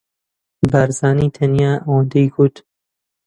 بارزانی تەنیا ئەوەندەی گوت: